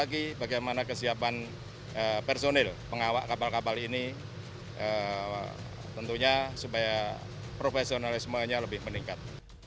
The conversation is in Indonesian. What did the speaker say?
lagi bagaimana kesiapan personil pengawak kapal kapal ini tentunya supaya profesionalismenya lebih meningkat